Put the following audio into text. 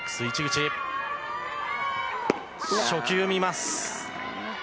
初球は見ます。